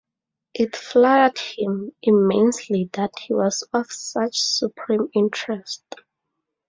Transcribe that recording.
It flattered him immensely that he was of such supreme interest.